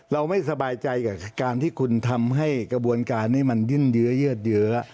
เราไม่สบายใจกับการที่คุณทำให้กระบวนการนี้มันยื่นเยื้อเยืดเยื้อ